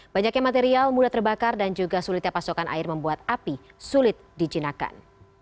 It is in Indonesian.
banyaknya material mudah terbakar dan juga sulitnya pasokan air membuat api sulit dijinakan